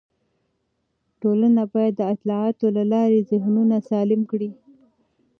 ټولنه باید د اطلاعاتو له لارې ذهنونه سالم کړي.